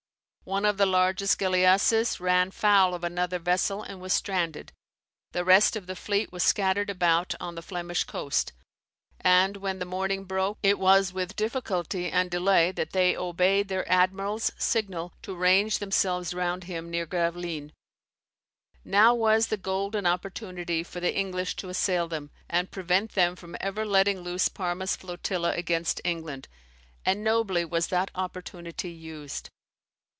One of the largest galeasses ran foul of another vessel and was stranded. The rest of the fleet was scattered about on the Flemish coast, and when the morning broke, it was with difficulty and delay that they obeyed their admiral's signal to range themselves round him near Gravelines. Now was the golden opportunity for the English to assail them, and prevent them from ever letting loose Parma's flotilla against England; and nobly was that opportunity used.